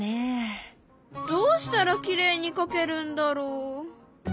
どうしたらきれいに描けるんだろう？